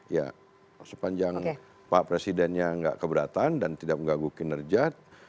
ya sepanjang pak presidennya nggak keberatan dan tidak mengganggu kinerja